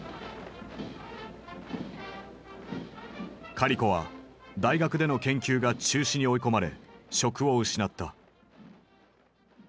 カリコは大学での研究が中止に追い込まれ職を失った。